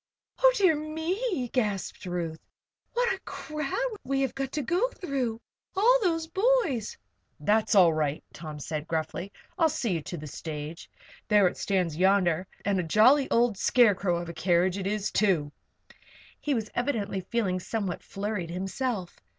"Oh, dear me!" gasped Ruth. "See what a crowd we have got to go through. All those boys!" "That's all right," Tom said, gruffly. "I'll see you to the stage. There it stands yonder and a jolly old scarecrow of a carriage it is, too!" He was evidently feeling somewhat flurried himself.